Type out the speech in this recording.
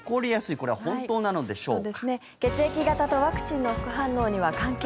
これは本当なのでしょうか。